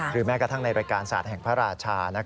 แม้กระทั่งในรายการศาสตร์แห่งพระราชา